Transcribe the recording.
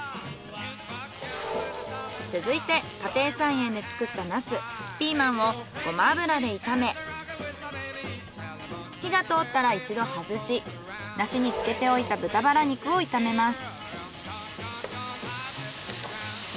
続いて家庭菜園で作ったナスピーマンをごま油で炒め火が通ったら一度はずし梨につけておいた豚バラ肉を炒めます。